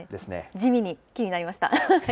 じみに気になりました。